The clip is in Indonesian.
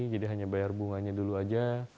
jadi hanya bayar bunganya dulu aja